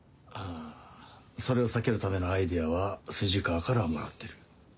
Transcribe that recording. ああそれを避けるためのアイデアは筋川からもらってる。